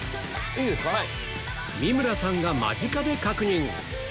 三村さんが間近で確認